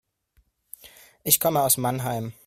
Ich komme aus Mannheim